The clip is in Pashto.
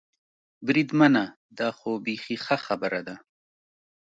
بریدمنه، دا خو بېخي ښه خبره ده.